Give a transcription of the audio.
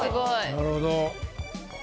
なるほど。